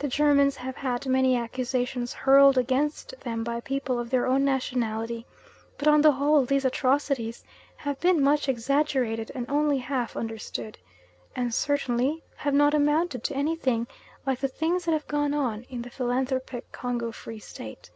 The Germans have had many accusations hurled against them by people of their own nationality, but on the whole these "atrocities" have been much exaggerated and only half understood; and certainly have not amounted to anything like the things that have gone on in the "philanthropic" Congo Free State.